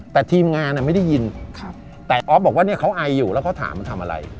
แต่ทีมงานไม่ได้ยินแต่ออฟบอกว่าเนี่ยเขาไออยู่แล้วเขาถามมันทำอะไร